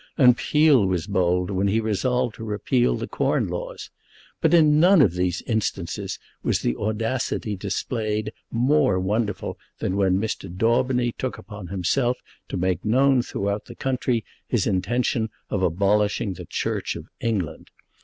And Peel was bold when he resolved to repeal the Corn Laws. But in none of these instances was the audacity displayed more wonderful than when Mr. Daubeny took upon himself to make known throughout the country his intention of abolishing the Church of England.